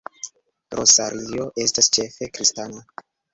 Rosario estas ĉefe kristana.